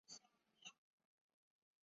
现任中国技术市场协会副会长。